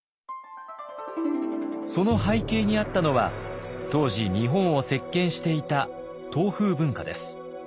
その背景にあったのは当時日本を席巻していた唐風文化です。